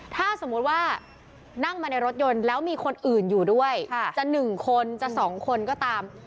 ถ้าสมมุติว่านั่งมาในรถยนต์แล้วมีคนอื่นอยู่ด้วยจะ๑คนจะ๒คนก็ตาม